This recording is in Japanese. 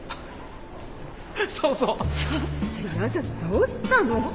どうしたの？